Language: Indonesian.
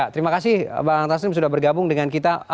terima kasih bang taslim sudah bergabung dengan kita